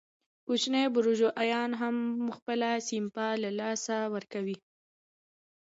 کوچني بورژوایان هم خپله سپما له لاسه ورکوي